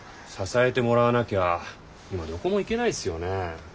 支えてもらわなきゃ今どこも行けないっすよね？